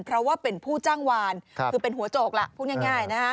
เพราะว่าเป็นผู้จ้างวานคือเป็นหัวโจกล่ะพูดง่ายนะฮะ